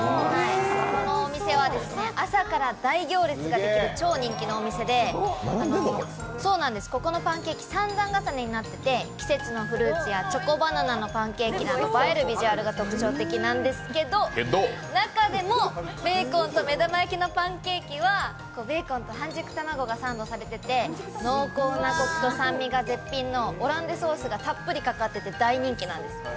このお店は朝から大行列ができる超人気のお店で、ここのパンケーキ、３段重ねになっていて、季節のフルーツチョコバナナのパンケーキなど映えるビジュアルが特徴的なんですけど、中でもベーコンと目玉焼きのパンケーキはベーコンと半熟卵がサンドされてて、濃厚なこくと酸味が絶品のオランデーズソースがたっぷりかかっていて、大人気なんです。